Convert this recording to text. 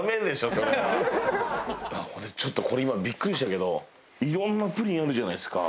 ちょっとこれ今ビックリしたけどいろんなプリンあるじゃないですか。